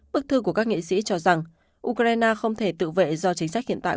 bức thư của các nghệ sĩ cho rằng ukraine không thể tự vệ do chính sách hiện tại